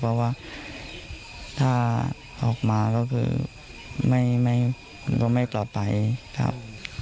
เพราะว่าถ้าออกมาก็คือไม่ปลอดภัยครับ